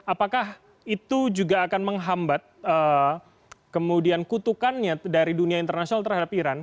apakah itu juga akan menghambat kemudian kutukannya dari dunia internasional terhadap iran